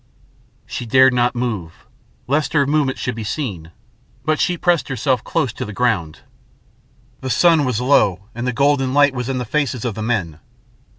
She dared not move lest her movement should be seen, but she pressed herself close to the ground. The sun was low and the golden light was in the faces of the men.